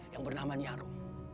yang bernama nyaro